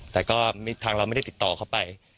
แต่ก็ทางเราไม่ได้ติดต่อเข้าไป